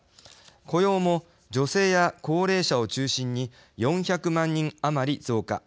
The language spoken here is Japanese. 雇用も女性や高齢者を中心に４００万人余り増加。